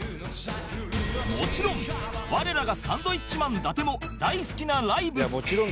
もちろん我らがサンドウィッチマン伊達も大好きなライブ